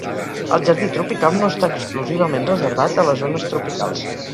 El jardí tropical no està exclusivament reservat a les zones tropicals.